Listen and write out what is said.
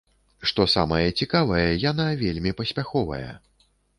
Што самае цікавае, яна вельмі паспяховая.